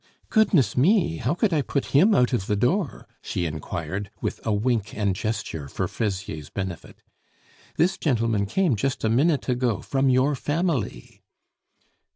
"Goodness me! how could I put him out of the door?" she inquired, with a wink and gesture for Fraisier's benefit. "This gentleman came just a minute ago, from your family."